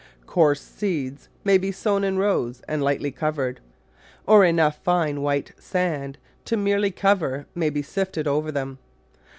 Coarse seeds may be sown in rows and lightly cov ered, or enough fine white sand to merely cover may be sifted over them.